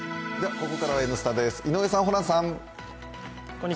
ここからは「Ｎスタ」です、井上さん、ホランさん。